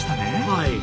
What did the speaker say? はい。